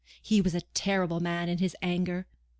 He was a terrible man in his anger!